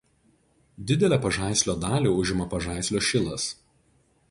Didelę Pažaislio dalį užima Pažaislio šilas.